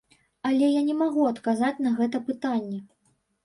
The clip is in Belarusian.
Але я не магу адказаць на гэта пытанне.